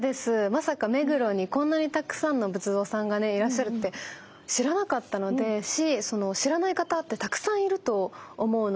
まさか目黒にこんなにたくさんの仏像さんがねいらっしゃるって知らなかったし知らない方ってたくさんいると思うので。